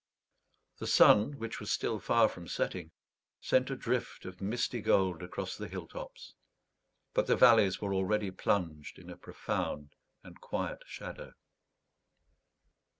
The sun, which was still far from setting, sent a drift of misty gold across the hill tops, but the valleys were already plunged in a profound and quiet shadow.